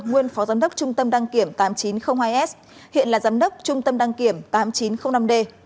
nguyên phó giám đốc trung tâm đăng kiểm tám nghìn chín trăm linh hai s hiện là giám đốc trung tâm đăng kiểm tám nghìn chín trăm linh năm d